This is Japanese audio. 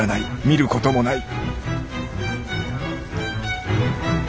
見ることもない」。